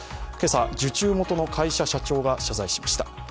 今朝、受注元の会社社長が謝罪しました。